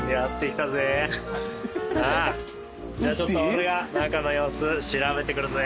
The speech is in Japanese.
じゃあちょっと俺が中の様子調べてくるぜ。